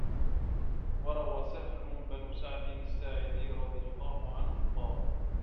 وَرَوَى سَهْلُ بْن سَعْدٍ السَّاعِدِيّ رَضِيَ اللَّهُ عَنْهُ قَالَ